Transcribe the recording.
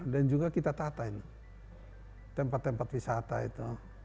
dan juga kita tatain tempat tempat wisata itu